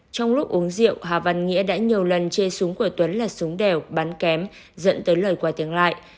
trong lúc uống rượu hà văn nghĩa đã nhiều lần chê súng của tuấn là súng đều bắn kém dẫn tới lời quay tiếng lại